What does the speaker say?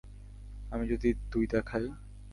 আমি যদি দুই দেখাই?